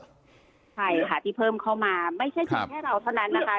ใช่ค่ะที่เพิ่มเข้ามาไม่ใช่เพียงแค่เราเท่านั้นนะคะ